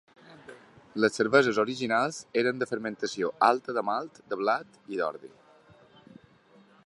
Les cerveses originals eren de fermentació alta de malt de blat i d'ordi.